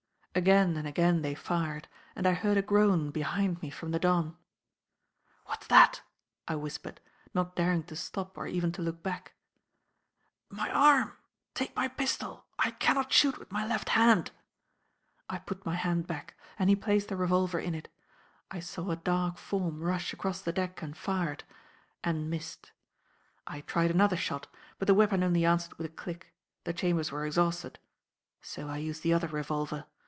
Again and again they fired, and I heard a groan behind me from the Don. "What's that?" I whispered, not daring to stop or even to look back: "My arm! Take my pistol, I cannot shoot with my left hand." I put my hand back, and he placed the revolver in it. I saw a dark form rush across the deck and fired and missed. I tried another shot; but the weapon only answered with a click; the chambers were exhausted. So I used the other revolver.